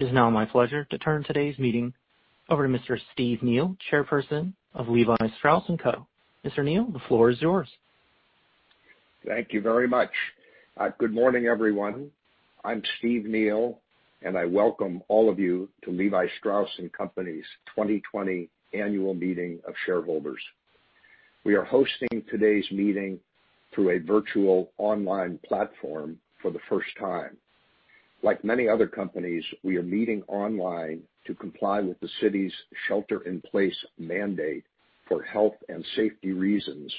It is now my pleasure to turn today's meeting over to Mr. Steve Neal, Chairperson of Levi Strauss & Co. Mr. Neal, the floor is yours. Thank you very much. Good morning, everyone. I'm Steve Neal. I welcome all of you to Levi Strauss & Co.'s 2020 Annual Meeting of Shareholders. We are hosting today's meeting through a virtual online platform for the first time. Like many other companies, we are meeting online to comply with the city's shelter in place mandate for health and safety reasons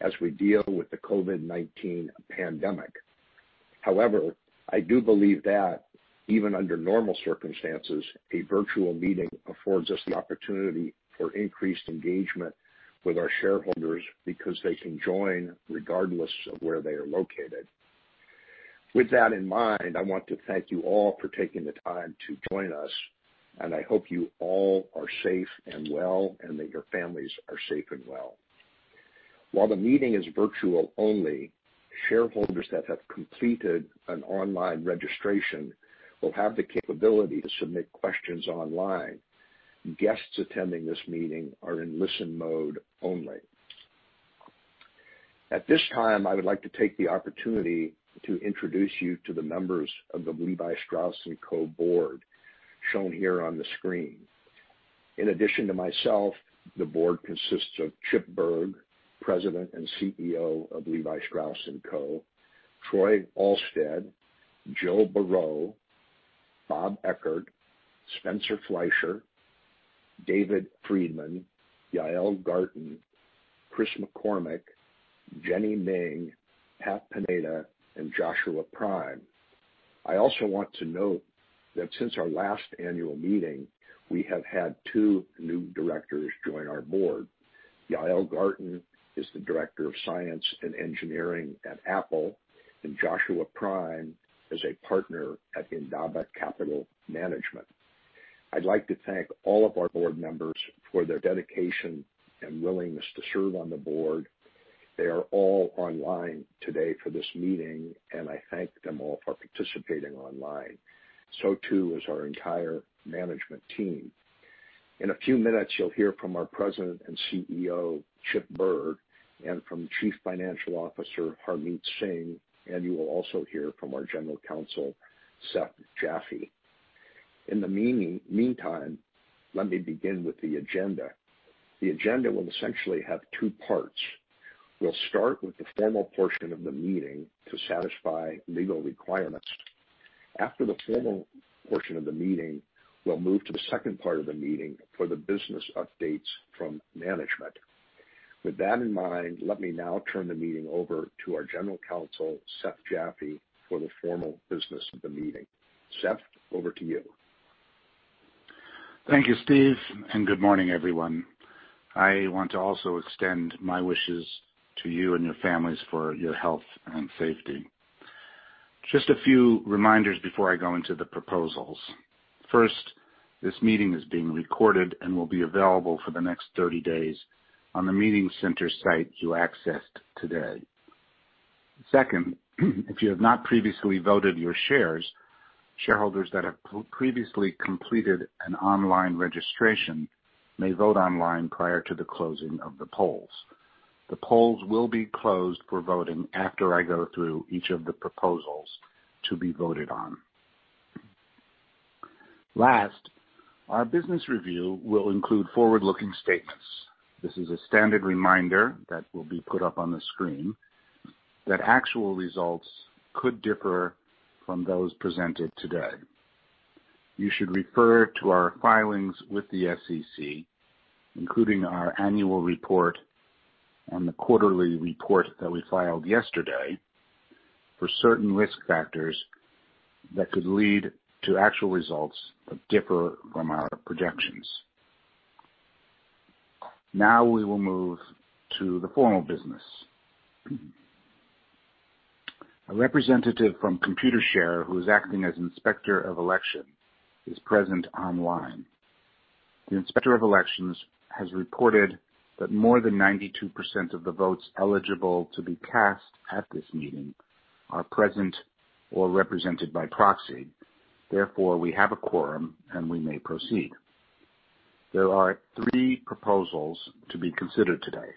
as we deal with the COVID-19 pandemic. However, I do believe that even under normal circumstances, a virtual meeting affords us the opportunity for increased engagement with our shareholders because they can join regardless of where they are located. With that in mind, I want to thank you all for taking the time to join us, and I hope you all are safe and well, and that your families are safe and well. While the meeting is virtual only, shareholders that have completed an online registration will have the capability to submit questions online. Guests attending this meeting are in listen mode only. At this time, I would like to take the opportunity to introduce you to the members of the Levi Strauss & Co. board, shown here on the screen. In addition to myself, the board consists of Chip Bergh, President and CEO of Levi Strauss & Co., Troy Alstead, Jill Beraud, Bob Eckert, Spencer Fleischer, David Friedman, Yael Garten, Chris McCormick, Jenny Ming, Pat Pineda, and Joshua Prime. I also want to note that since our last annual meeting, we have had two new directors join our board. Yael Garten is the Director of Science and Engineering at Apple, and Joshua Prime is a partner at Indaba Capital Management. I'd like to thank all of our board members for their dedication and willingness to serve on the board. They are all online today for this meeting. I thank them all for participating online. So too, is our entire management team. In a few minutes, you'll hear from our President and CEO, Chip Bergh, and from Chief Financial Officer, Harmit Singh. You will also hear from our General Counsel, Seth Jaffe. In the meantime, let me begin with the agenda. The agenda will essentially have two parts. We'll start with the formal portion of the meeting to satisfy legal requirements. After the formal portion of the meeting, we'll move to the second part of the meeting for the business updates from management. With that in mind, let me now turn the meeting over to our General Counsel, Seth Jaffe, for the formal business of the meeting. Seth, over to you. Thank you, Steve, and good morning, everyone. I want to also extend my wishes to you and your families for your health and safety. Just a few reminders before I go into the proposals. First, this meeting is being recorded and will be available for the next 30 days on the meeting center site you accessed today. Second, if you have not previously voted your shares, shareholders that have previously completed an online registration may vote online prior to the closing of the polls. The polls will be closed for voting after I go through each of the proposals to be voted on. Last, our business review will include forward-looking statements. This is a standard reminder that will be put up on the screen that actual results could differ from those presented today. You should refer to our filings with the SEC, including our annual report and the quarterly report that we filed yesterday, for certain risk factors that could lead to actual results that differ from our projections. Now we will move to the formal business. A representative from Computershare, who is acting as Inspector of Election, is present online. The Inspector of Elections has reported that more than 92% of the votes eligible to be cast at this meeting are present or represented by proxy. Therefore, we have a quorum, and we may proceed. There are three proposals to be considered today.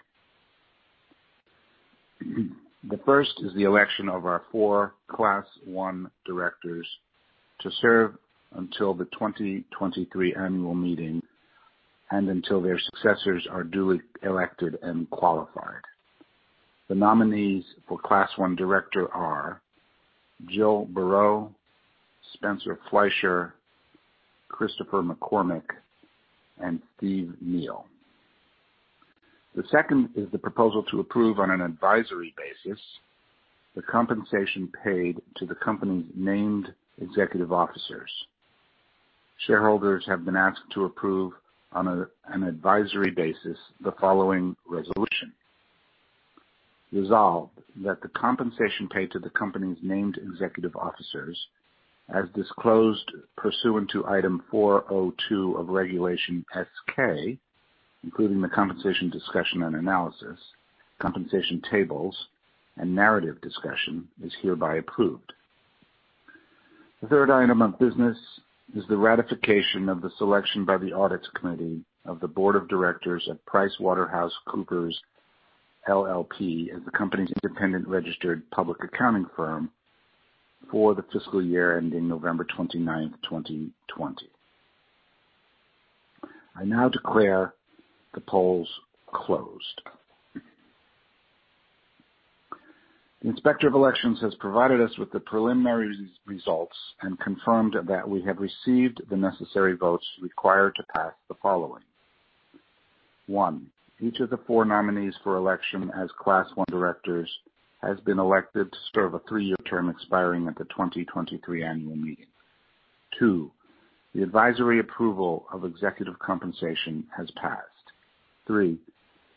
The first is the election of our four class I directors to serve until the 2023 annual meeting and until their successors are duly elected and qualified. The nominees for class I director are Jill Beraud, Spencer Fleischer, Christopher McCormick, and Steve Neal. The second is the proposal to approve, on an advisory basis, the compensation paid to the company's named executive officers. Shareholders have been asked to approve, on an advisory basis, the following resolution. Resolved, that the compensation paid to the company's named executive officers, as disclosed pursuant to Item 402 of Regulation S-K, including the compensation discussion and analysis, compensation tables, and narrative discussion is hereby approved. The third item of business is the ratification of the selection by the Audit Committee of the board of directors of PricewaterhouseCoopers LLP as the company's independent registered public accounting firm for the fiscal year ending November 29th, 2020. I now declare the polls closed. The Inspector of Elections has provided us with the preliminary results and confirmed that we have received the necessary votes required to pass the following. One. Each of the four nominees for election as Class 1 directors has been elected to serve a three-year term expiring at the 2023 annual meeting. Two. The advisory approval of executive compensation has passed. Three.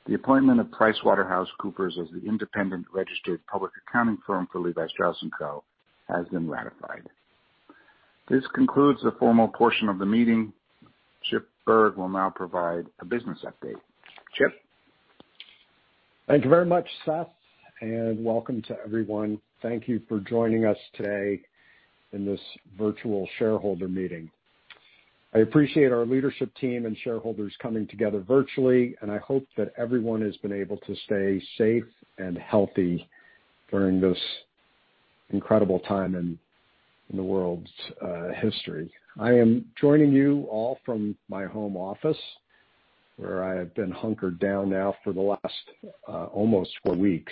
The appointment of PricewaterhouseCoopers as the independent registered public accounting firm for Levi Strauss & Co. has been ratified. This concludes the formal portion of the meeting. Chip Bergh will now provide a business update. Chip? Thank you very much, Seth. Welcome to everyone. Thank you for joining us today in this virtual shareholder meeting. I appreciate our leadership team and shareholders coming together virtually, and I hope that everyone has been able to stay safe and healthy during this incredible time in the world's history. I am joining you all from my home office, where I have been hunkered down now for the last almost four weeks.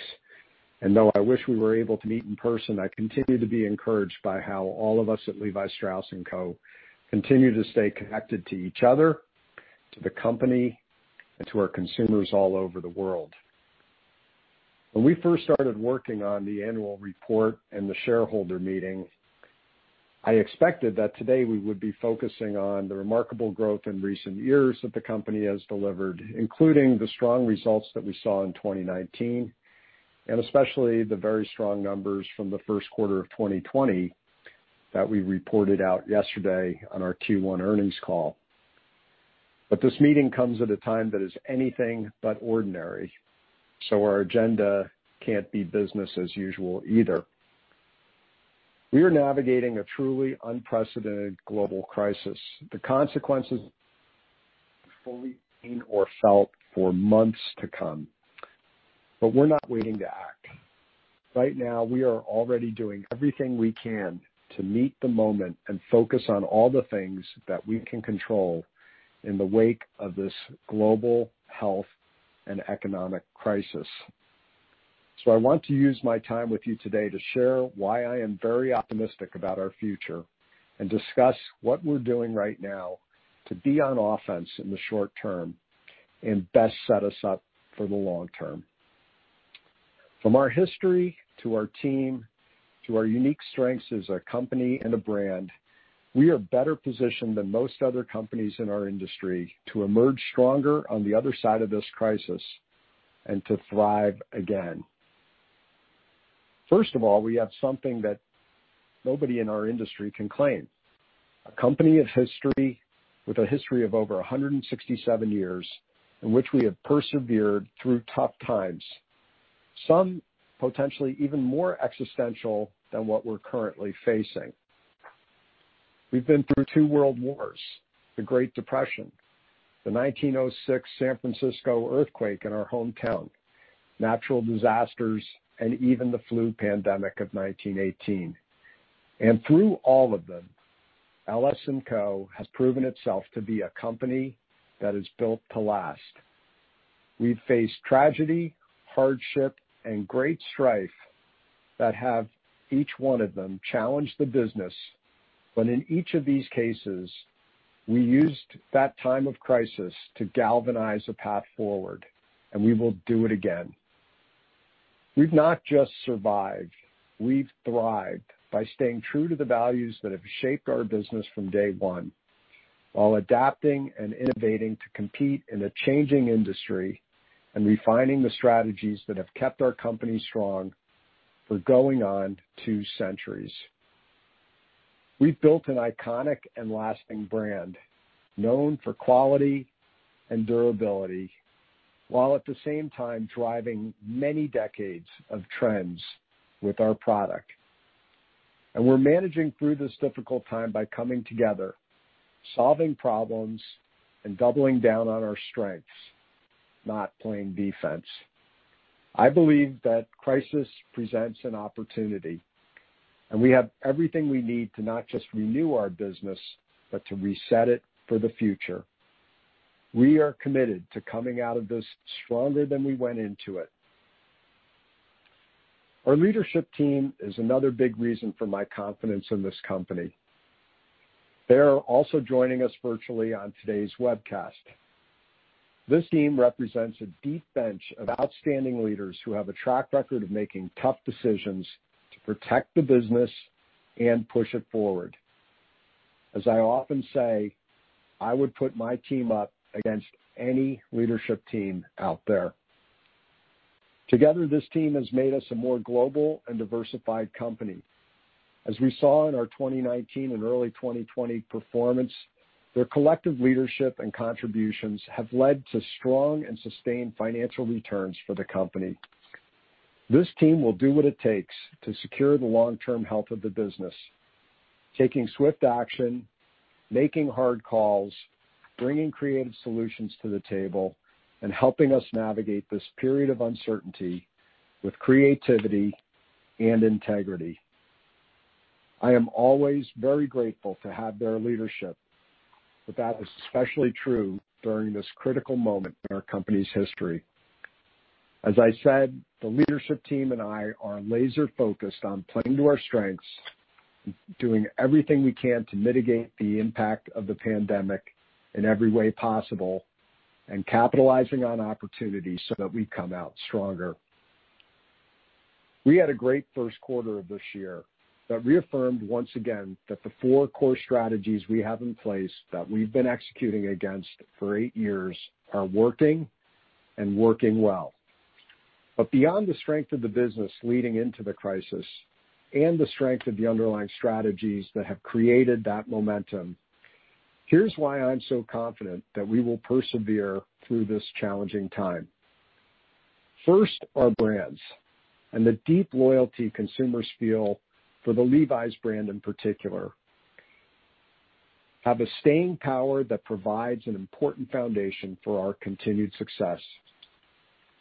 Though I wish we were able to meet in person, I continue to be encouraged by how all of us at Levi Strauss & Co. continue to stay connected to each other, to the company, and to our consumers all over the world. When we first started working on the annual report and the shareholder meeting, I expected that today we would be focusing on the remarkable growth in recent years that the company has delivered, including the strong results that we saw in 2019, and especially the very strong numbers from the first quarter of 2020 that we reported out yesterday on our Q1 earnings call. This meeting comes at a time that is anything but ordinary, so our agenda can't be business as usual either. We are navigating a truly unprecedented global crisis. The consequences will be fully seen or felt for months to come. We're not waiting to act. Right now, we are already doing everything we can to meet the moment and focus on all the things that we can control in the wake of this global health and economic crisis. I want to use my time with you today to share why I am very optimistic about our future, and discuss what we're doing right now to be on offense in the short term and best set us up for the long term. From our history to our team to our unique strengths as a company and a brand, we are better positioned than most other companies in our industry to emerge stronger on the other side of this crisis and to thrive again. First of all, we have something that nobody in our industry can claim. A company with a history of over 167 years, in which we have persevered through tough times, some potentially even more existential than what we're currently facing. We've been through two world wars, the Great Depression, the 1906 San Francisco earthquake in our hometown, natural disasters, and even the flu pandemic of 1918. Through all of them, LS&Co. has proven itself to be a company that is built to last. We've faced tragedy, hardship, and great strife that have, each one of them, challenged the business. In each of these cases, we used that time of crisis to galvanize a path forward, and we will do it again. We've not just survived, we've thrived by staying true to the values that have shaped our business from day one, while adapting and innovating to compete in a changing industry and refining the strategies that have kept our company strong for going on two centuries. We've built an iconic and lasting brand, known for quality and durability, while at the same time driving many decades of trends with our product. We're managing through this difficult time by coming together, solving problems, and doubling down on our strengths, not playing defense. I believe that crisis presents an opportunity, and we have everything we need to not just renew our business, but to reset it for the future. We are committed to coming out of this stronger than we went into it. Our leadership team is another big reason for my confidence in this company. They are also joining us virtually on today's webcast. This team represents a deep bench of outstanding leaders who have a track record of making tough decisions to protect the business and push it forward. As I often say, I would put my team up against any leadership team out there. Together, this team has made us a more global and diversified company. As we saw in our 2019 and early 2020 performance, their collective leadership and contributions have led to strong and sustained financial returns for the company. This team will do what it takes to secure the long-term health of the business, taking swift action, making hard calls, bringing creative solutions to the table, and helping us navigate this period of uncertainty with creativity and integrity. I am always very grateful to have their leadership, but that is especially true during this critical moment in our company's history. As I said, the leadership team and I are laser-focused on playing to our strengths, doing everything we can to mitigate the impact of the pandemic in every way possible, and capitalizing on opportunities so that we come out stronger. We had a great first quarter of this year that reaffirmed once again that the four core strategies we have in place that we've been executing against for eight years are working and working well. Beyond the strength of the business leading into the crisis and the strength of the underlying strategies that have created that momentum, here's why I'm so confident that we will persevere through this challenging time. First, our brands and the deep loyalty consumers feel for the Levi's brand, in particular, have a staying power that provides an important foundation for our continued success.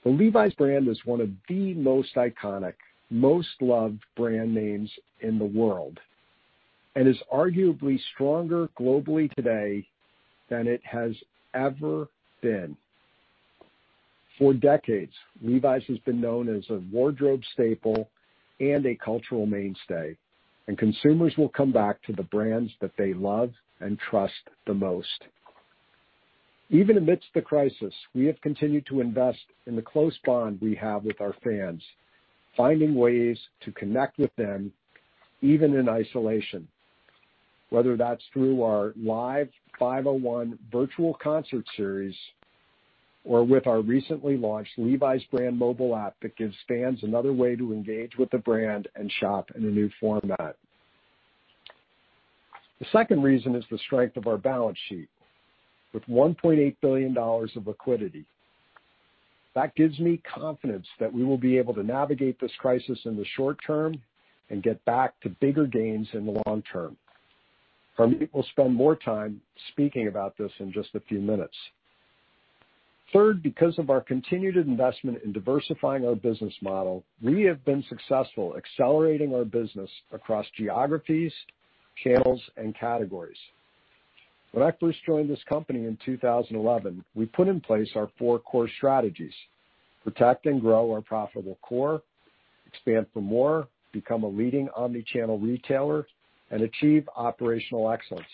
The Levi's brand is one of the most iconic, most loved brand names in the world and is arguably stronger globally today than it has ever been. For decades, Levi's has been known as a wardrobe staple and a cultural mainstay, and consumers will come back to the brands that they love and trust the most. Even amidst the crisis, we have continued to invest in the close bond we have with our fans, finding ways to connect with them, even in isolation, whether that's through our live 501 virtual concert series or with our recently launched Levi's brand mobile app that gives fans another way to engage with the brand and shop in a new format. The second reason is the strength of our balance sheet. With $1.8 billion of liquidity, that gives me confidence that we will be able to navigate this crisis in the short term and get back to bigger gains in the long term. Our people spend more time speaking about this in just a few minutes. Third, because of our continued investment in diversifying our business model, we have been successful accelerating our business across geographies, channels, and categories. When I first joined this company in 2011, we put in place our four core strategies, protect and grow our profitable core, expand for more, become a leading omni-channel retailer, and achieve operational excellence.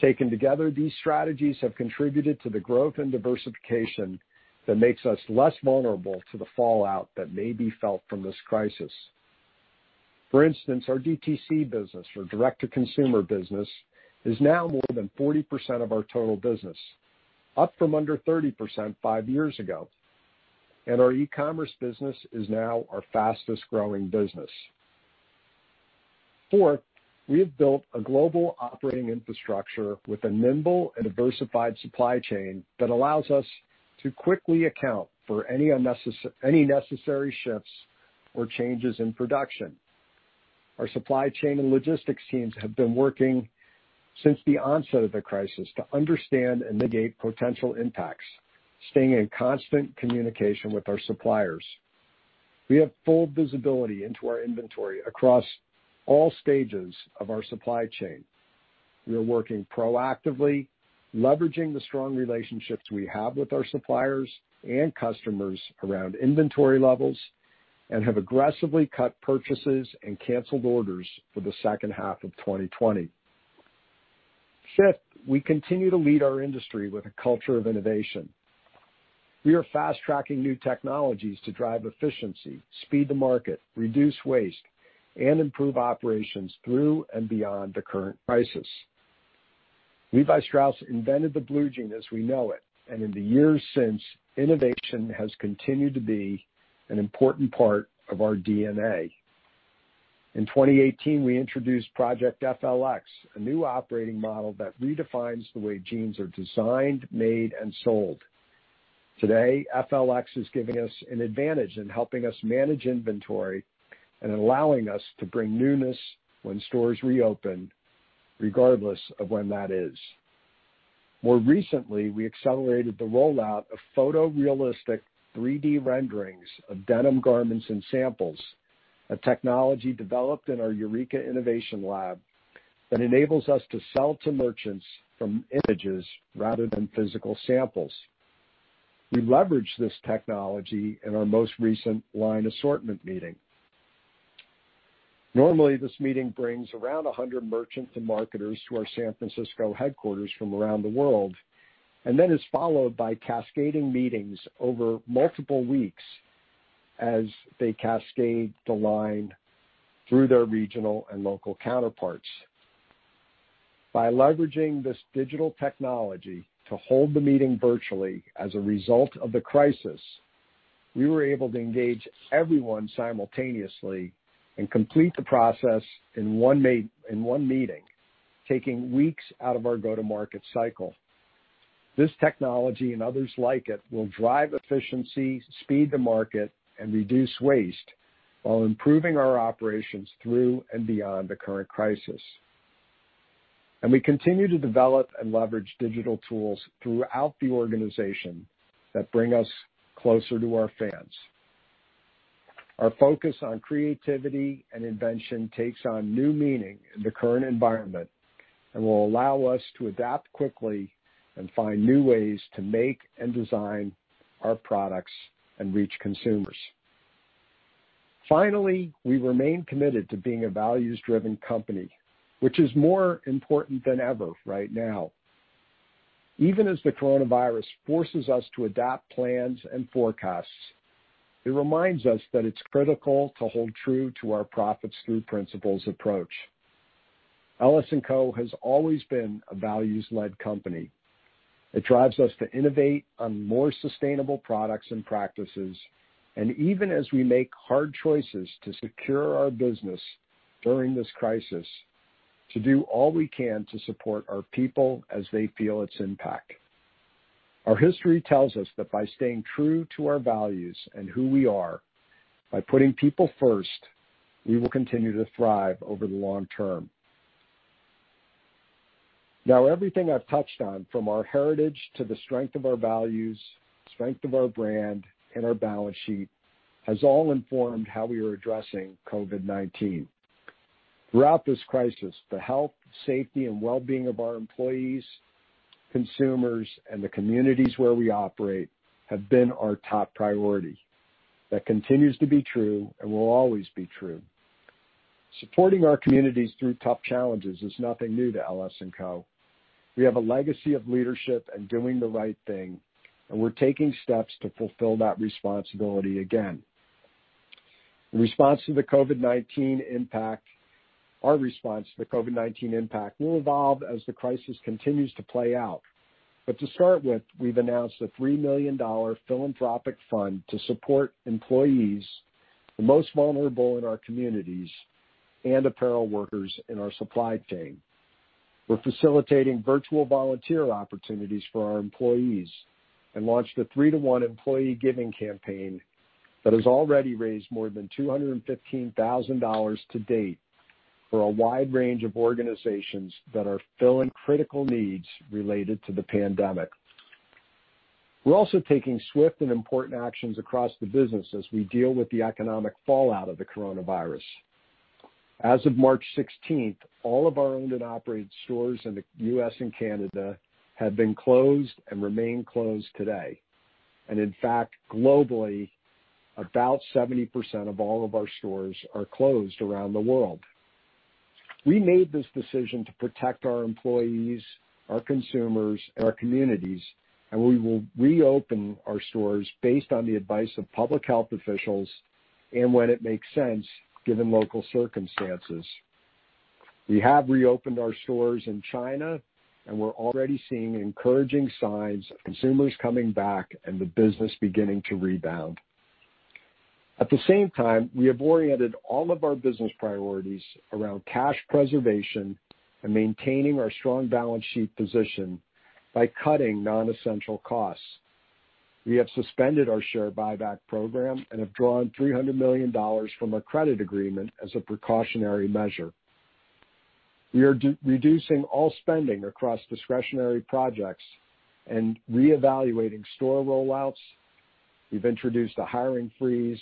Taken together, these strategies have contributed to the growth and diversification that makes us less vulnerable to the fallout that may be felt from this crisis. For instance, our DTC business, or direct-to-consumer business, is now more than 40% of our total business, up from under 30% five years ago. Our e-commerce business is now our fastest-growing business. Fourth, we have built a global operating infrastructure with a nimble and diversified supply chain that allows us to quickly account for any necessary shifts or changes in production. Our supply chain and logistics teams have been working since the onset of the crisis to understand and negate potential impacts, staying in constant communication with our suppliers. We have full visibility into our inventory across all stages of our supply chain. We are working proactively, leveraging the strong relationships we have with our suppliers and customers around inventory levels and have aggressively cut purchases and canceled orders for the second half of 2020. Fifth, we continue to lead our industry with a culture of innovation. We are fast-tracking new technologies to drive efficiency, speed to market, reduce waste, and improve operations through and beyond the current crisis. Levi Strauss invented the blue jean as we know it, and in the years since, innovation has continued to be an important part of our DNA. In 2018, we introduced Project F.L.X., a new operating model that redefines the way jeans are designed, made, and sold. Today, FLX is giving us an advantage in helping us manage inventory and allowing us to bring newness when stores reopen, regardless of when that is. More recently, we accelerated the rollout of photorealistic 3D renderings of denim garments and samples, a technology developed in our Eureka Innovation Lab that enables us to sell to merchants from images rather than physical samples. We leveraged this technology in our most recent line assortment meeting. Normally, this meeting brings around 100 merchants and marketers to our San Francisco headquarters from around the world, and that is followed by cascading meetings over multiple weeks as they cascade the line through their regional and local counterparts. By leveraging this digital technology to hold the meeting virtually as a result of the crisis, we were able to engage everyone simultaneously and complete the process in one meeting, taking weeks out of our go-to-market cycle. This technology and others like it will drive efficiency, speed to market, and reduce waste while improving our operations through and beyond the current crisis. We continue to develop and leverage digital tools throughout the organization that bring us closer to our fans. Our focus on creativity and invention takes on new meaning in the current environment and will allow us to adapt quickly and find new ways to make and design our products and reach consumers. Finally, we remain committed to being a values-driven company, which is more important than ever right now. Even as the coronavirus forces us to adapt plans and forecasts, it reminds us that it's critical to hold true to our profits-through-principles approach. LS&Co. has always been a values-led company. It drives us to innovate on more sustainable products and practices, and even as we make hard choices to secure our business during this crisis, to do all we can to support our people as they feel its impact. Our history tells us that by staying true to our values and who we are, by putting people first, we will continue to thrive over the long term. Everything I've touched on, from our heritage to the strength of our values, strength of our brand, and our balance sheet, has all informed how we are addressing COVID-19. Throughout this crisis, the health, safety, and well-being of our employees, consumers, and the communities where we operate have been our top priority. That continues to be true and will always be true. Supporting our communities through tough challenges is nothing new to LS&Co. We have a legacy of leadership and doing the right thing, we're taking steps to fulfill that responsibility again. Our response to the COVID-19 impact will evolve as the crisis continues to play out. To start with, we've announced a $3 million philanthropic fund to support employees, the most vulnerable in our communities, and apparel workers in our supply chain. We're facilitating virtual volunteer opportunities for our employees and launched a three-to-one employee giving campaign that has already raised more than $215,000 to-date for a wide range of organizations that are filling critical needs related to the pandemic. We're also taking swift and important actions across the business as we deal with the economic fallout of the coronavirus. As of March 16th, all of our owned and operated stores in the U.S. and Canada have been closed and remain closed today. In fact, globally, about 70% of all of our stores are closed around the world. We made this decision to protect our employees, our consumers, and our communities, and we will reopen our stores based on the advice of public health officials and when it makes sense, given local circumstances. We have reopened our stores in China, and we're already seeing encouraging signs of consumers coming back and the business beginning to rebound. At the same time, we have oriented all of our business priorities around cash preservation and maintaining our strong balance sheet position by cutting non-essential costs. We have suspended our share buyback program and have drawn $300 million from a credit agreement as a precautionary measure. We are reducing all spending across discretionary projects and reevaluating store rollouts. We've introduced a hiring freeze,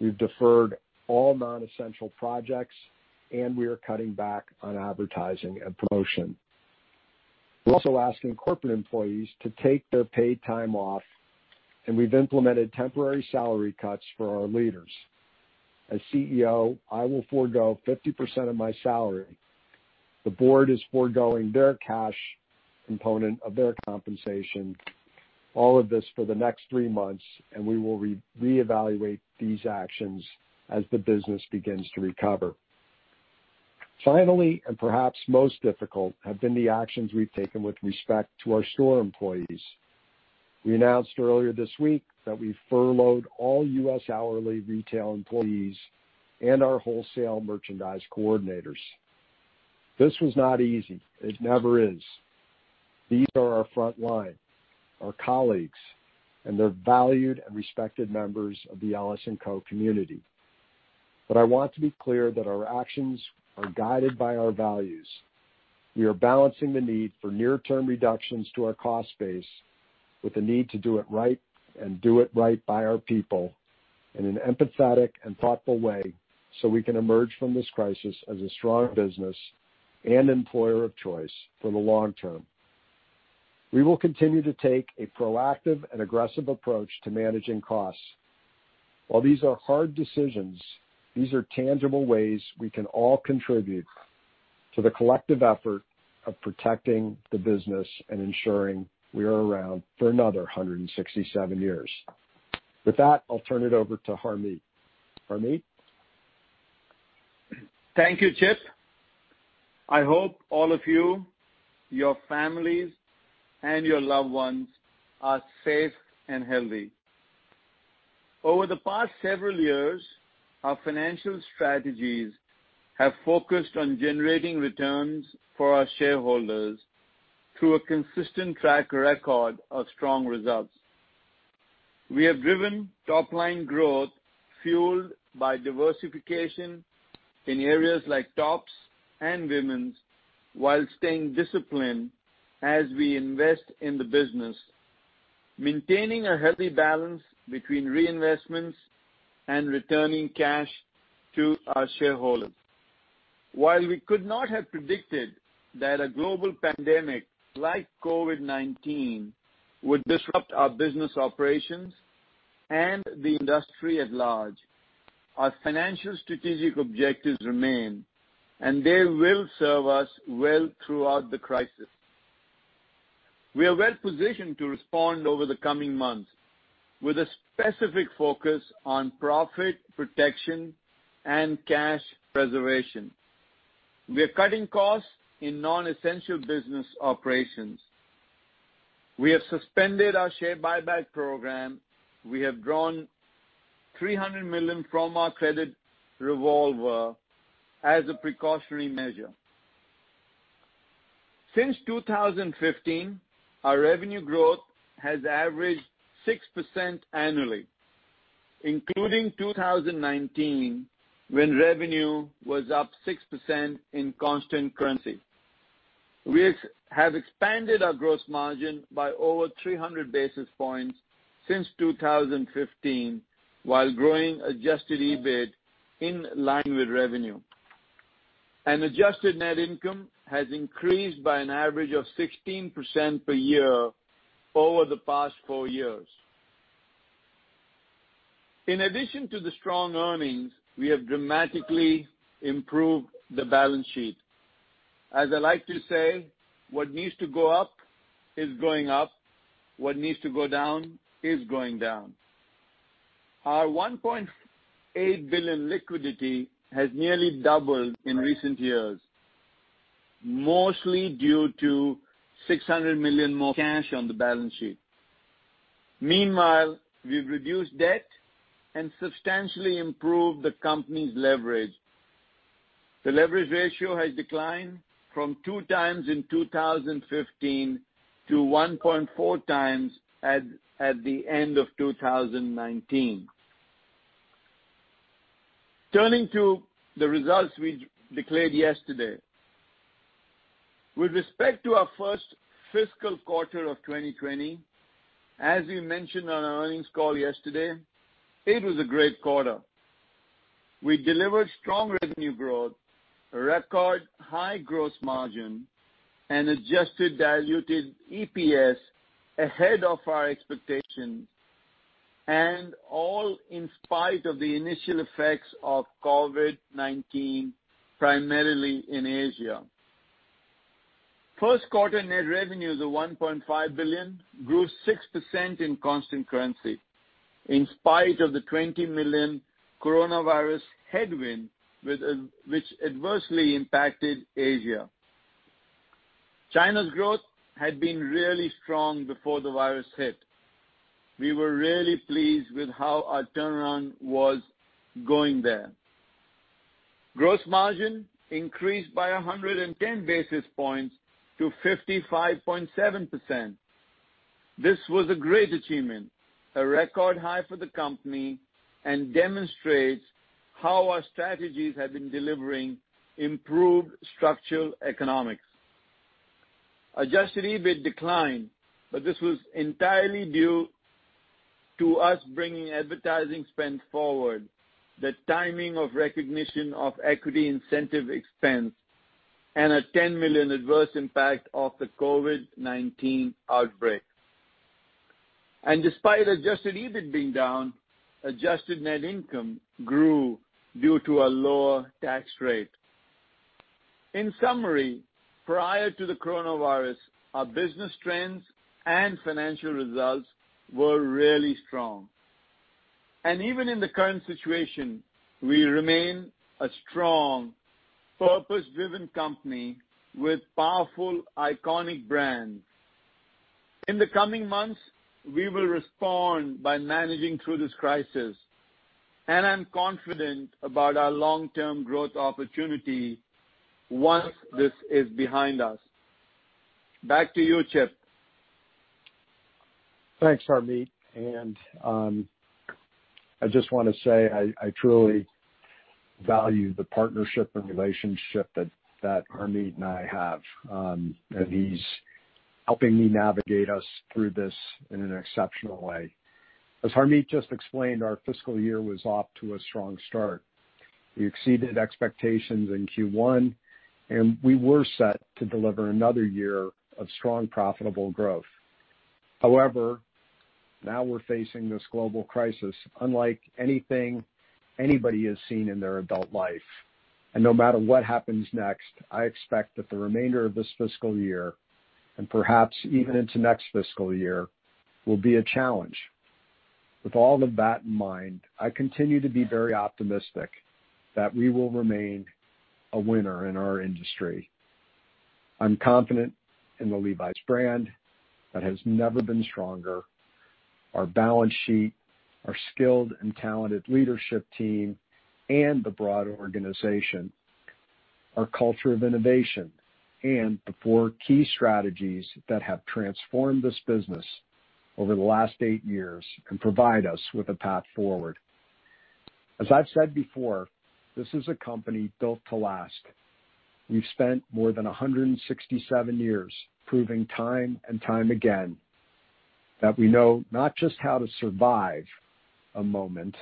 we've deferred all non-essential projects, and we are cutting back on advertising and promotion. We're also asking corporate employees to take their paid time off, and we've implemented temporary salary cuts for our leaders. As CEO, I will forego 50% of my salary. The board is forgoing their cash component of their compensation, all of this for the next three months. We will reevaluate these actions as the business begins to recover. Finally, perhaps most difficult, have been the actions we've taken with respect to our store employees. We announced earlier this week that we furloughed all U.S. hourly retail employees and our wholesale merchandise coordinators. This was not easy. It never is. These are our front line, our colleagues, and they're valued and respected members of the LS&Co. community. I want to be clear that our actions are guided by our values. We are balancing the need for near-term reductions to our cost base with the need to do it right and do it right by our people in an empathetic and thoughtful way so we can emerge from this crisis as a strong business and employer of choice for the long term. We will continue to take a proactive and aggressive approach to managing costs. While these are hard decisions, these are tangible ways we can all contribute to the collective effort of protecting the business and ensuring we are around for another 167 years. With that, I'll turn it over to Harmit. Harmit? Thank you, Chip. I hope all of you, your families, and your loved ones are safe and healthy. Over the past several years, our financial strategies have focused on generating returns for our shareholders through a consistent track record of strong results. We have driven top-line growth fueled by diversification in areas like tops and women's, while staying disciplined as we invest in the business, maintaining a healthy balance between reinvestments and returning cash to our shareholders. While we could not have predicted that a global pandemic like COVID-19 would disrupt our business operations and the industry at large, our financial strategic objectives remain, and they will serve us well throughout the crisis. We are well-positioned to respond over the coming months with a specific focus on profit protection and cash preservation. We are cutting costs in non-essential business operations. We have suspended our share buyback program. We have drawn $300 million from our credit revolver as a precautionary measure. Since 2015, our revenue growth has averaged 6% annually, including 2019, when revenue was up 6% in constant currency. We have expanded our gross margin by over 300 basis points since 2015, while growing Adjusted EBIT in line with revenue. Adjusted net income has increased by an average of 16% per year over the past four years. In addition to the strong earnings, we have dramatically improved the balance sheet. As I like to say, what needs to go up is going up. What needs to go down is going down. Our $1.8 billion liquidity has nearly doubled in recent years, mostly due to $600 million more cash on the balance sheet. Meanwhile, we've reduced debt and substantially improved the company's leverage. The leverage ratio has declined from 2x in 2015 to 1.4x at the end of 2019. Turning to the results we declared yesterday. With respect to our first fiscal quarter of 2020, as we mentioned on our earnings call yesterday, it was a great quarter. We delivered strong revenue growth, a record high gross margin, and adjusted diluted EPS ahead of our expectations. All in spite of the initial effects of COVID-19, primarily in Asia. First quarter net revenues of $1.5 billion grew 6% in constant currency, in spite of the $20 million coronavirus headwind, which adversely impacted Asia. China's growth had been really strong before the virus hit. We were really pleased with how our turnaround was going there. Gross margin increased by 110 basis points to 55.7%. This was a great achievement, a record high for the company, and demonstrates how our strategies have been delivering improved structural economics. Adjusted EBIT declined, but this was entirely due to us bringing advertising spend forward, the timing of recognition of equity incentive expense, and a $10 million adverse impact of the COVID-19 outbreak. Despite Adjusted EBIT being down, adjusted net income grew due to a lower tax rate. In summary, prior to the coronavirus, our business trends and financial results were really strong. Even in the current situation, we remain a strong, purpose-driven company with powerful, iconic brands. In the coming months, we will respond by managing through this crisis, and I'm confident about our long-term growth opportunity once this is behind us. Back to you, Chip. Thanks, Harmit. I just want to say, I truly value the partnership and relationship that Harmit and I have, and he's helping me navigate us through this in an exceptional way. As Harmit just explained, our fiscal year was off to a strong start. We exceeded expectations in Q1, and we were set to deliver another year of strong, profitable growth. Now we're facing this global crisis unlike anything anybody has seen in their adult life. No matter what happens next, I expect that the remainder of this fiscal year, and perhaps even into next fiscal year will be a challenge. With all of that in mind, I continue to be very optimistic that we will remain a winner in our industry. I'm confident in the Levi's brand that has never been stronger, our balance sheet, our skilled and talented leadership team, and the broader organization, our culture of innovation, and the four key strategies that have transformed this business over the last eight years and provide us with a path forward. As I've said before, this is a company built to last. We've spent more than 167 years proving time and time again that we know not just how to survive a moment,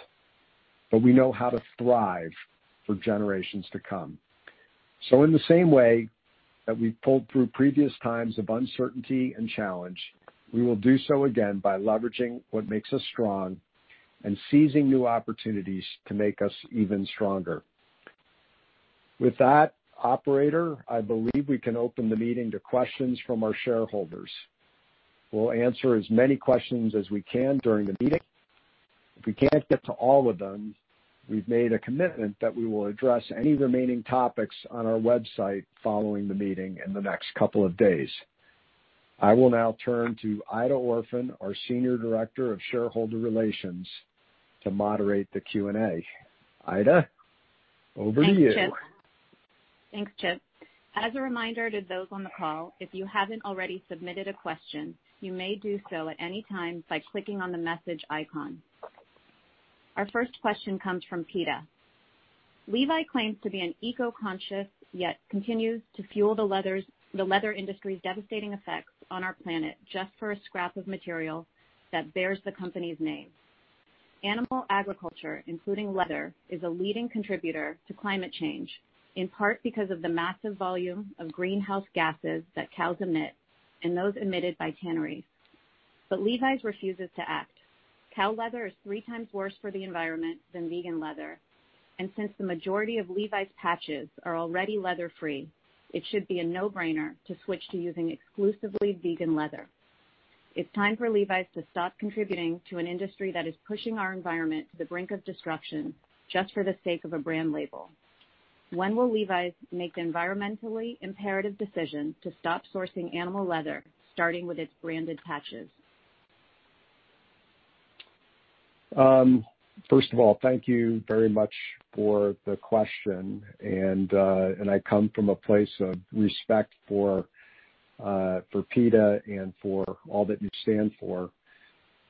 but we know how to thrive for generations to come. In the same way that we pulled through previous times of uncertainty and challenge, we will do so again by leveraging what makes us strong and seizing new opportunities to make us even stronger. With that, operator, I believe we can open the meeting to questions from our shareholders. We'll answer as many questions as we can during the meeting. If we can't get to all of them, we've made a commitment that we will address any remaining topics on our website following the meeting in the next couple of days. I will now turn to Aida Orphan, our senior director of shareholder relations, to moderate the Q&A. Aida, over to you. Thanks, Chip. As a reminder to those on the call, if you haven't already submitted a question, you may do so at any time by clicking on the message icon. Our first question comes from PETA. Levi's claims to be eco-conscious, yet continues to fuel the leather industry's devastating effects on our planet just for a scrap of material that bears the company's name. Animal agriculture, including leather, is a leading contributor to climate change, in part because of the massive volume of greenhouse gases that cows emit and those emitted by tanneries. Levi's refuses to act. Cow leather is three times worse for the environment than vegan leather, and since the majority of Levi's patches are already leather-free, it should be a no-brainer to switch to using exclusively vegan leather. It's time for Levi's to stop contributing to an industry that is pushing our environment to the brink of destruction just for the sake of a brand label. When will Levi's make the environmentally imperative decision to stop sourcing animal leather, starting with its branded patches? First of all, thank you very much for the question. I come from a place of respect for PETA and for all that you stand for.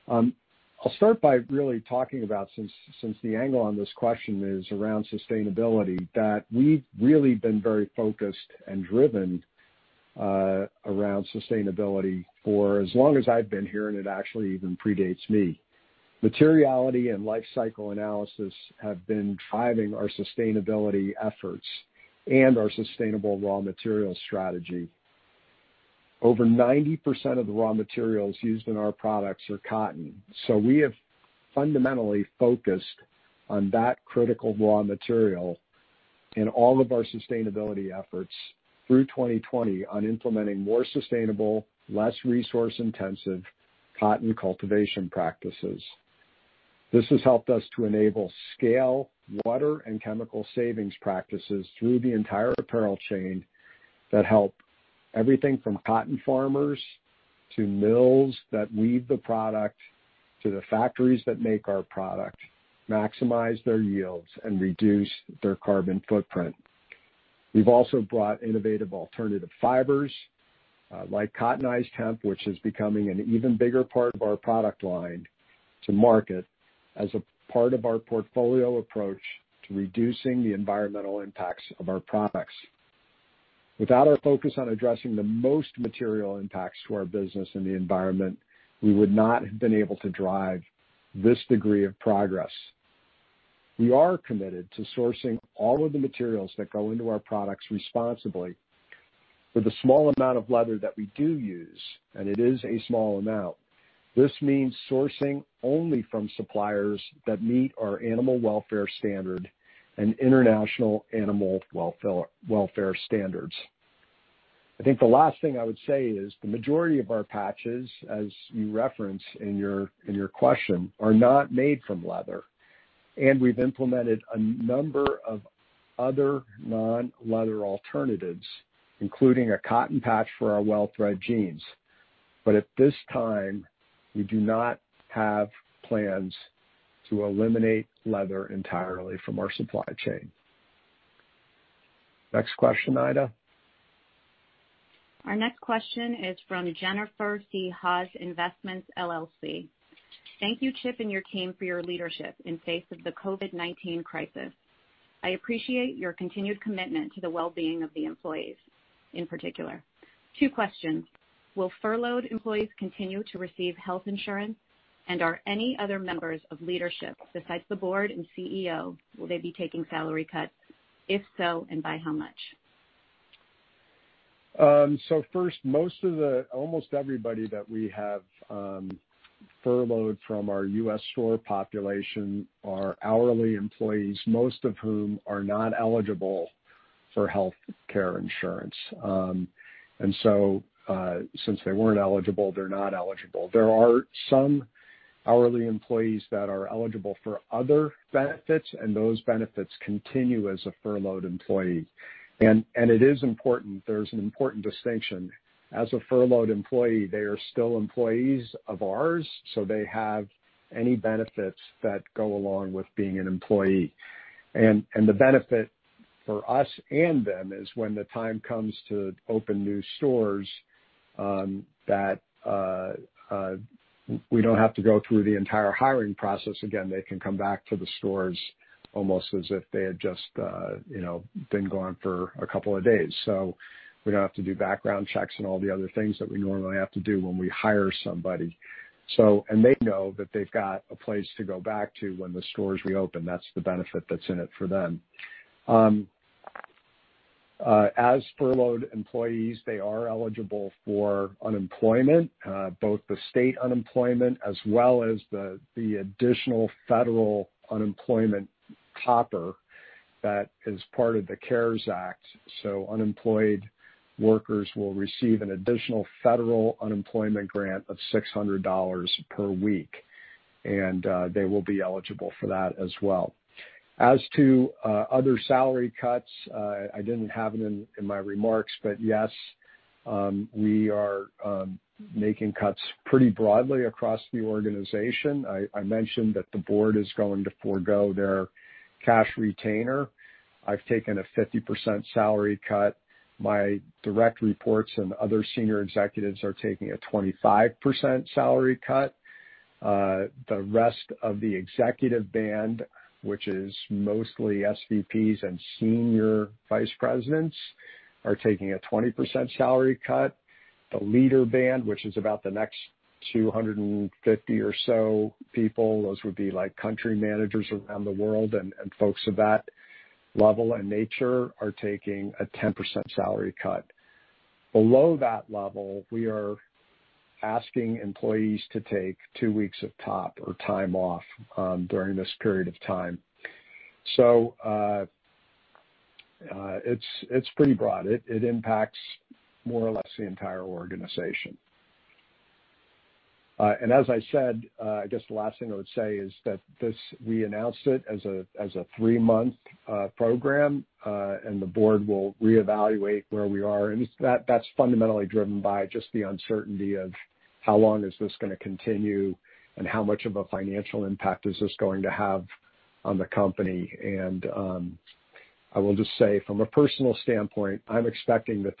I'll start by really talking about, since the angle on this question is around sustainability, that we've really been very focused and driven around sustainability for as long as I've been here, and it actually even predates me. Materiality and life cycle analysis have been driving our sustainability efforts and our sustainable raw material strategy. Over 90% of the raw materials used in our products are cotton. We have fundamentally focused on that critical raw material in all of our sustainability efforts through 2020 on implementing more sustainable, less resource-intensive cotton cultivation practices. This has helped us to enable scale, water, and chemical savings practices through the entire apparel chain that help everything from cotton farmers to mills that weave the product to the factories that make our product maximize their yields and reduce their carbon footprint. We've also brought innovative alternative fibers, like cottonized hemp, which is becoming an even bigger part of our product line to market as a part of our portfolio approach to reducing the environmental impacts of our products. Without our focus on addressing the most material impacts to our business and the environment, we would not have been able to drive this degree of progress. We are committed to sourcing all of the materials that go into our products responsibly. For the small amount of leather that we do use, and it is a small amount, this means sourcing only from suppliers that meet our animal welfare standard and international animal welfare standards. I think the last thing I would say is the majority of our patches, as you reference in your question, are not made from leather. We've implemented a number of other non-leather alternatives, including a cotton patch for our Wellthread jeans. At this time, we do not have plans to eliminate leather entirely from our supply chain. Next question, Aida. Our next question is from Jennifer C. Haas Investments LLC. Thank you, Chip, and your team for your leadership in face of the COVID-19 crisis. I appreciate your continued commitment to the well-being of the employees, in particular. Two questions. Will furloughed employees continue to receive health insurance, and are any other members of leadership besides the board and CEO, will they be taking salary cuts? If so, by how much? First, almost everybody that we have furloughed from our U.S. store population are hourly employees, most of whom are not eligible for healthcare insurance. Since they weren't eligible, they're not eligible. There are some hourly employees that are eligible for other benefits, and those benefits continue as a furloughed employee. It is important, there's an important distinction. As a furloughed employee, they are still employees of ours, so they have any benefits that go along with being an employee. The benefit for us and them is when the time comes to open new stores, that we don't have to go through the entire hiring process again. They can come back to the stores almost as if they had just been gone for a couple of days. We don't have to do background checks and all the other things that we normally have to do when we hire somebody. They know that they've got a place to go back to when the stores reopen. That's the benefit that's in it for them. As furloughed employees, they are eligible for unemployment, both the state unemployment as well as the additional federal unemployment topper that is part of the CARES Act. Unemployed workers will receive an additional federal unemployment grant of $600 per week. They will be eligible for that as well. As to other salary cuts, I didn't have it in my remarks, but yes, we are making cuts pretty broadly across the organization. I mentioned that the board is going to forego their cash retainer. I've taken a 50% salary cut. My direct reports and other senior executives are taking a 25% salary cut. The rest of the executive band, which is mostly SVPs and senior vice presidents, are taking a 20% salary cut. The leader band, which is about the next 250 or so people, those would be country managers around the world and folks of that level and nature, are taking a 10% salary cut. Below that level, we are asking employees to take two weeks of PTO, or time off, during this period of time. It's pretty broad. It impacts more or less the entire organization. As I said, I guess the last thing I would say is that we announced it as a three-month program. The board will reevaluate where we are. That's fundamentally driven by just the uncertainty of how long is this going to continue and how much of a financial impact is this going to have on the company. I will just say, from a personal standpoint, I'm expecting that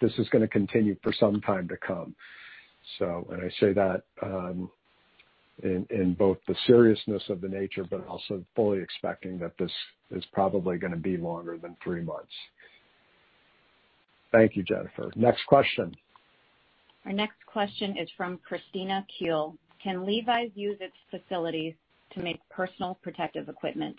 this is going to continue for some time to come. I say that in both the seriousness of the nature, but also fully expecting that this is probably going to be longer than three months. Thank you, Jennifer. Next question. Our next question is from Christina Kiel. Can Levi's use its facilities to make personal protective equipment?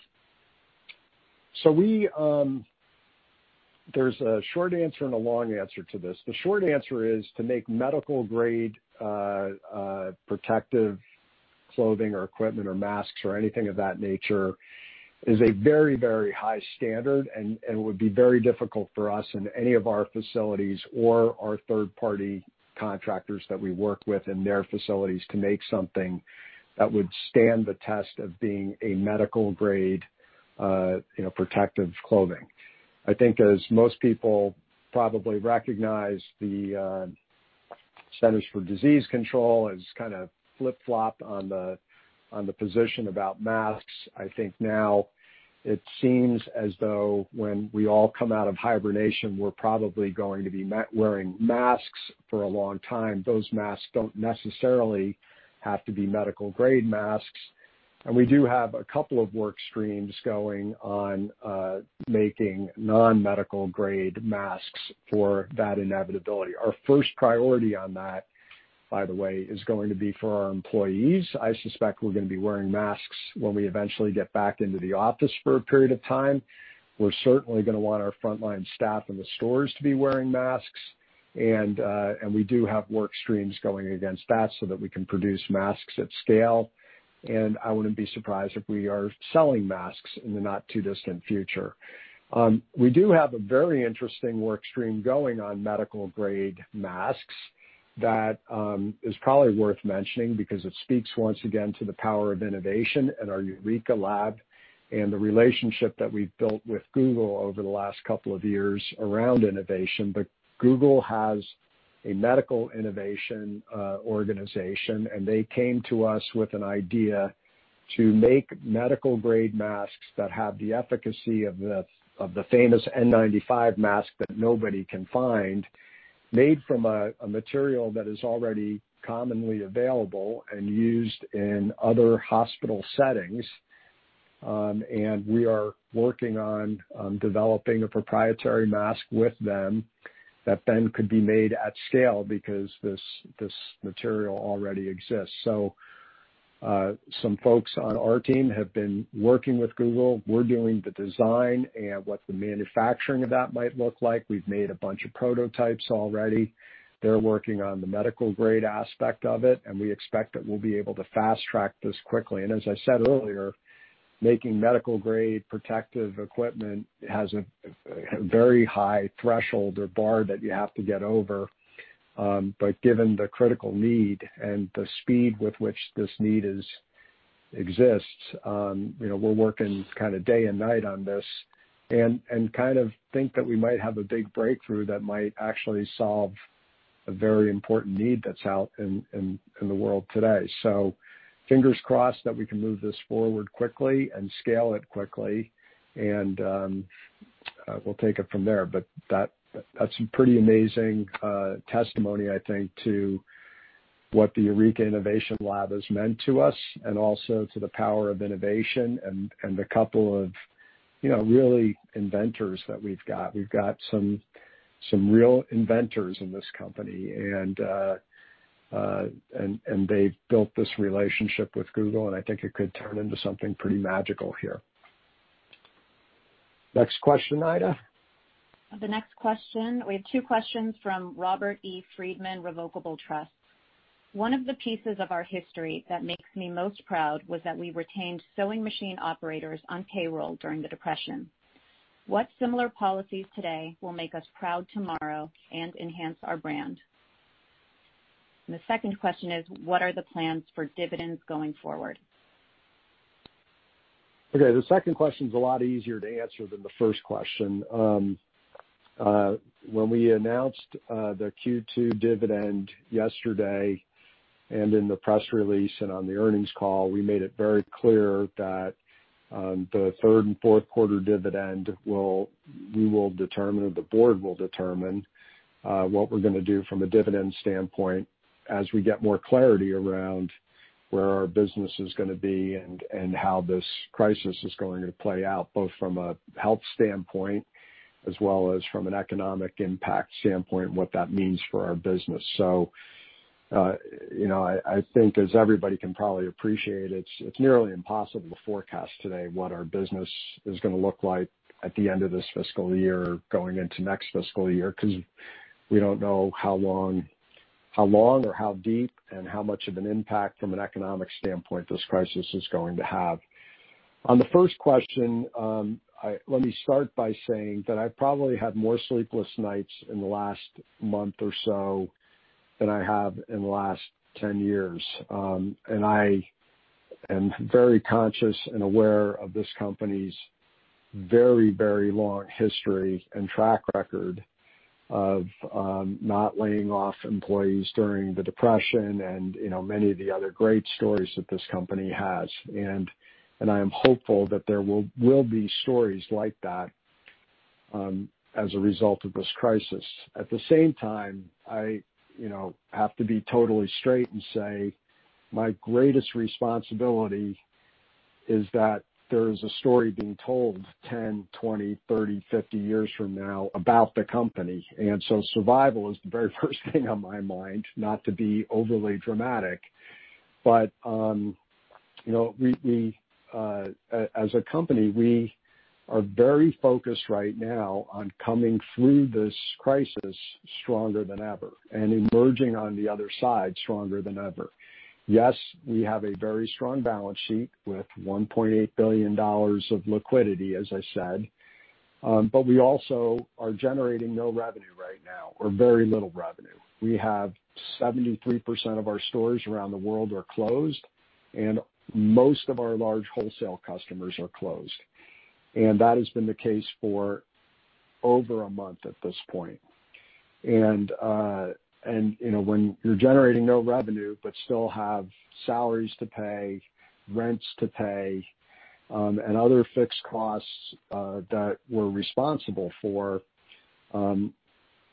There's a short answer and a long answer to this. The short answer is to make medical grade protective clothing or equipment or masks or anything of that nature is a very, very high standard and would be very difficult for us in any of our facilities or our third-party contractors that we work with in their facilities to make something that would stand the test of being a medical grade protective clothing. I think as most people probably recognize, the Centers for Disease Control has kind of flip-flopped on the position about masks. I think now it seems as though when we all come out of hibernation, we're probably going to be wearing masks for a long time. Those masks don't necessarily have to be medical grade masks. We do have a couple of work streams going on making non-medical grade masks for that inevitability. Our first priority on that, by the way, is going to be for our employees. I suspect we're going to be wearing masks when we eventually get back into the office for a period of time. We're certainly going to want our frontline staff in the stores to be wearing masks. We do have work streams going against that so that we can produce masks at scale. I wouldn't be surprised if we are selling masks in the not too distant future. We do have a very interesting work stream going on medical grade masks that is probably worth mentioning because it speaks once again to the power of innovation and our Eureka Innovation Lab and the relationship that we've built with Google over the last couple of years around innovation. Google has a medical innovation organization, and they came to us with an idea to make medical-grade masks that have the efficacy of the famous N95 mask that nobody can find, made from a material that is already commonly available and used in other hospital settings. We are working on developing a proprietary mask with them that then could be made at scale because this material already exists. Some folks on our team have been working with Google. We're doing the design and what the manufacturing of that might look like. We've made a bunch of prototypes already. They're working on the medical-grade aspect of it, and we expect that we'll be able to fast-track this quickly. As I said earlier, making medical-grade protective equipment has a very high threshold or bar that you have to get over. Given the critical need and the speed with which this need exists, we're working day and night on this, and think that we might have a big breakthrough that might actually solve a very important need that's out in the world today. Fingers crossed that we can move this forward quickly and scale it quickly, and we'll take it from there. That's a pretty amazing testimony, I think, to what the Eureka Innovation Lab has meant to us, and also to the power of innovation and the couple of really inventors that we've got. We've got some real inventors in this company, and they've built this relationship with Google, and I think it could turn into something pretty magical here. Next question, Aida? The next question, we have two questions from Robert E. Friedman Revocable Trust. One of the pieces of our history that makes me most proud was that we retained sewing machine operators on payroll during the Depression. What similar policies today will make us proud tomorrow and enhance our brand? The second question is, what are the plans for dividends going forward? Okay. The second question is a lot easier to answer than the first question. When we announced the Q2 dividend yesterday, in the press release and on the earnings call, we made it very clear that the third and fourth quarter dividend, we will determine, or the board will determine, what we're going to do from a dividend standpoint as we get more clarity around where our business is going to be and how this crisis is going to play out, both from a health standpoint as well as from an economic impact standpoint, and what that means for our business. I think as everybody can probably appreciate, it's nearly impossible to forecast today what our business is going to look like at the end of this fiscal year, going into next fiscal year, because we don't know how long or how deep and how much of an impact from an economic standpoint this crisis is going to have. On the first question, let me start by saying that I probably had more sleepless nights in the last month or so than I have in the last 10 years. I am very conscious and aware of this company's very long history and track record of not laying off employees during the Depression and many of the other great stories that this company has. I am hopeful that there will be stories like that, as a result of this crisis. At the same time, I have to be totally straight and say my greatest responsibility is that there is a story being told 10, 20, 30, 50 years from now about the company. Survival is the very first thing on my mind, not to be overly dramatic, but as a company, we are very focused right now on coming through this crisis stronger than ever and emerging on the other side stronger than ever. Yes, we have a very strong balance sheet with $1.8 billion of liquidity, as I said. We also are generating no revenue right now or very little revenue. We have 73% of our stores around the world are closed, and most of our large wholesale customers are closed. That has been the case for over a month at this point. When you're generating no revenue, but still have salaries to pay, rents to pay, and other fixed costs that we're responsible for,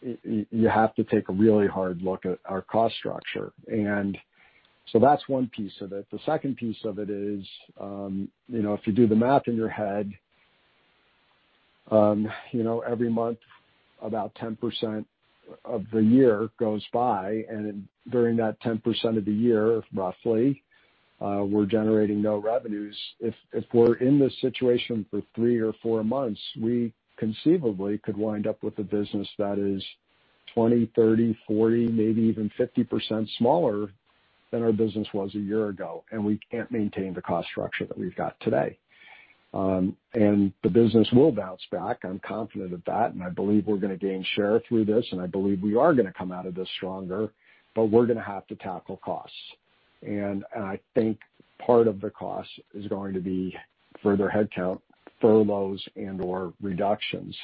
you have to take a really hard look at our cost structure. That's one piece of it. The second piece of it is, if you do the math in your head, every month, about 10% of the year goes by, and during that 10% of the year, roughly, we're generating no revenues. If we're in this situation for three or four months, we conceivably could wind up with a business that is 20%, 30%, 40%, maybe even 50% smaller than our business was a year ago, and we can't maintain the cost structure that we've got today. The business will bounce back, I'm confident of that, and I believe we're going to gain share through this, and I believe we are going to come out of this stronger, but we're going to have to tackle costs. I think part of the cost is going to be further headcount furloughs and/or reductions.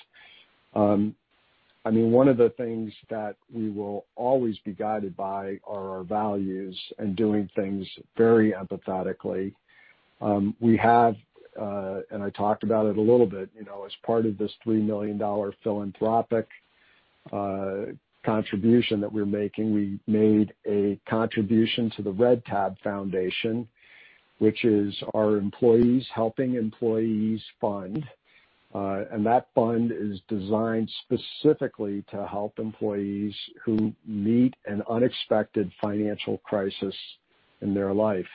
One of the things that we will always be guided by are our values and doing things very empathetically. We have, and I talked about it a little bit, as part of this $3 million philanthropic contribution that we're making, we made a contribution to the Red Tab Foundation, which is our employees helping employees fund. That fund is designed specifically to help employees who meet an unexpected financial crisis in their life.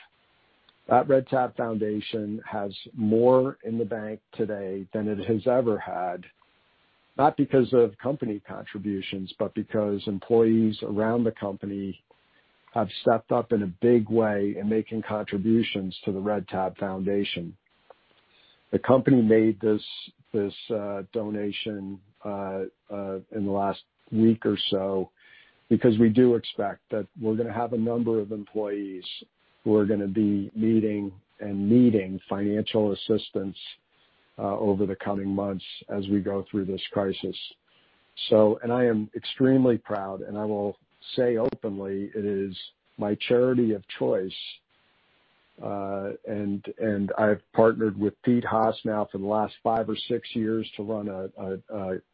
That Red Tab Foundation has more in the bank today than it has ever had, not because of company contributions, but because employees around the company have stepped up in a big way in making contributions to the Red Tab Foundation. The company made this donation in the last week or so because we do expect that we're going to have a number of employees who are going to be needing financial assistance over the coming months as we go through this crisis. I am extremely proud, and I will say openly, it is my charity of choice. I've partnered with Peter Haas now for the last five or six years to run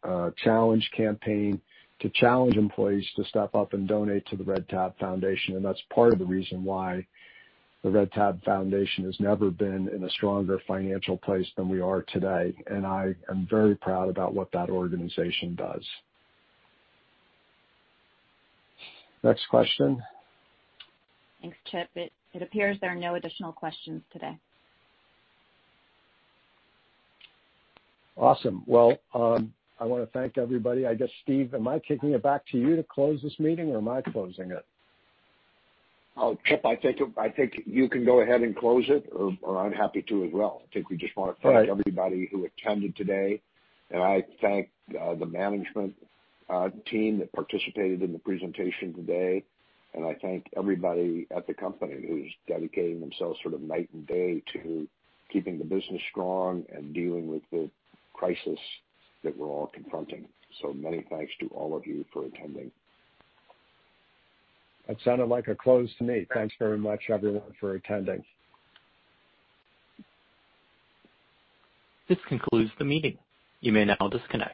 a challenge campaign to challenge employees to step up and donate to the Red Tab Foundation. That's part of the reason why the Red Tab Foundation has never been in a stronger financial place than we are today. I am very proud about what that organization does. Next question. Thanks, Chip. It appears there are no additional questions today. Awesome. Well, I want to thank everybody. I guess, Steve, am I kicking it back to you to close this meeting, or am I closing it? Chip, I think you can go ahead and close it, or I'm happy to as well. I think we just want to thank everybody who attended today. I thank the management team that participated in the presentation today, and I thank everybody at the company who's dedicating themselves sort of night and day to keeping the business strong and dealing with the crisis that we're all confronting. Many thanks to all of you for attending. That sounded like a close to me. Thanks very much, everyone, for attending. This concludes the meeting. You may now disconnect.